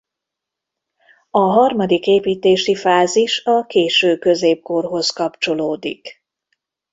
A harmadik építési fázis a késő középkorhoz kapcsolódik.